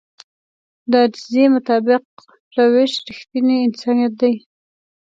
د عاجزي مطابق روش رښتينی انسانيت دی.